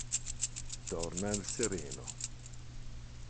Torna il sereno.